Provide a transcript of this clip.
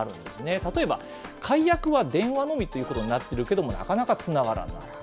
例えば、解約は電話のみということになっているけども、なかなかつながらない。